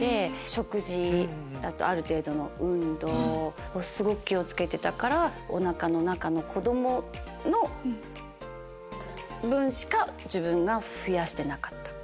食事あとある程度の運動をすごく気を付けてたからおなかの中の子供の分しか自分が増やしてなかった。